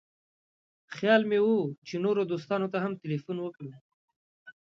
خیال مې و چې نورو دوستانو ته هم تیلفون وکړم.